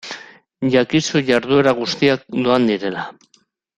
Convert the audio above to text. Jakizu jarduera guztiak doan direla.